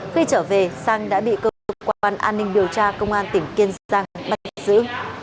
khi trở về sang đã bị cơ quan an ninh điều tra công an tỉnh kiên giang bắt giữ